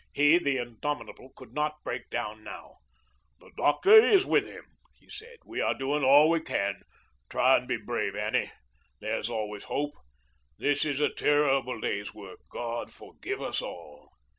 He, the indomitable, could not break down now. "The doctor is with him," he said; "we are doing all we can. Try and be brave, Annie. There is always hope. This is a terrible day's work. God forgive us all."